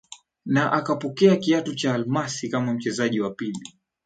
Na akapokea kiatu cha Almasi kama mchezaji wa pili